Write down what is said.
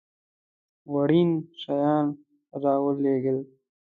وړین شیان را ولېږل.